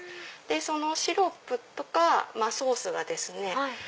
でシロップとかソースがですね